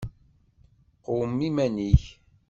Qwem iman-ik.